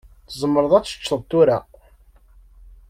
Tzemreḍ ad teččeḍ tura.